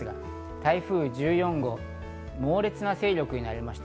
台風１４号、猛烈な勢力になりました。